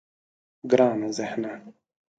گرانه ذهنه.